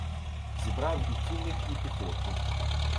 Зібрав і кінних, і піхотних